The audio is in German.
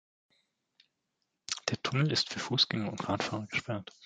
Der Tunnel ist für Fußgänger und Radfahrer gesperrt.